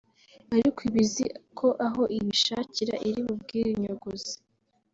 ariko iba izi ko aho ibishakira iri bubwiyunyuguze